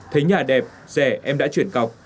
thấy nhà đẹp rẻ em đã chuyển cọc